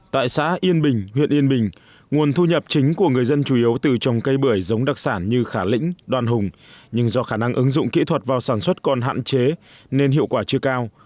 tại xã yên bình huyện yên bình nguồn thu nhập chính của người dân chủ yếu từ trồng cây bưởi giống đặc sản như khả lĩnh đoan hùng nhưng do khả năng ứng dụng kỹ thuật vào sản xuất còn hạn chế nên hiệu quả chưa cao